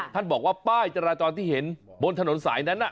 ท่านบอกว่าป้ายจราจรที่เห็นบนถนนสายนั้น